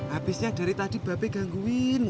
abisnya dari tadi bape gangguin lu